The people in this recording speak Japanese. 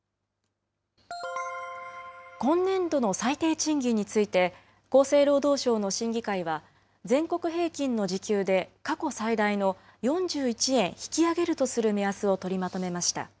今年度の最低賃金について、厚生労働省の審議会は、全国平均の時給で過去最大の４１円引き上げるとする目安を取りまとめました。